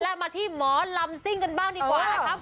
และมาที่หมอลำซิ่งกันบ้างดีกว่านะครับ